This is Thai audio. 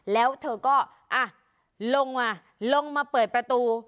แล้วเธอก็อ่ะลงมาลงมาเปิดประตู